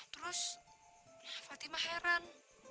terus fatimah heran